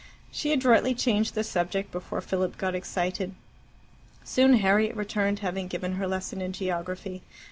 She adroitly changed the subject before Philip got excited. Soon Harriet returned, having given her lesson in geography.